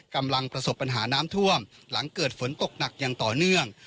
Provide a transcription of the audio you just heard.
กำลังประสบปัญหาน้ำท่วมหลังเกิดฝนตกหนักอย่างต่อเนื่อง